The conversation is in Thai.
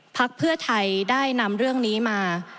พักเพื่อไทยได้นำเรื่องนี้มา